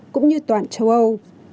cũng như toàn châu âu